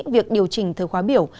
việc điều chỉnh thờ khóa biểu